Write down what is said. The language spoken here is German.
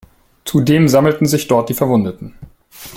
Zudem sammelten sich dort die Verwundeten.